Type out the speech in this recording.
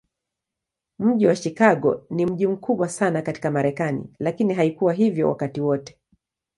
Mji wa Chicago ni mji mkubwa sana katika Marekani, lakini haikuwa hivyo wakati wote.